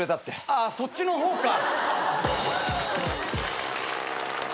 ああそっちの方か。